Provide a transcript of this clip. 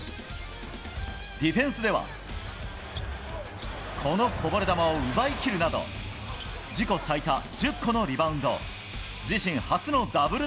ディフェンスでは、このこぼれ球を奪いきるなど、自己最多１０個のリバウンド。